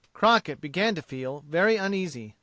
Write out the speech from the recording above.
Crockett began to feel very uneasy.